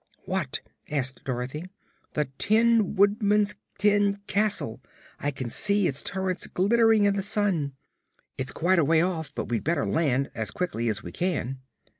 "What?" asked Dorothy. "The Tin Woodman's tin castle. I can see its turrets glittering in the sun. It's quite a way off, but we'd better land as quickly as we can."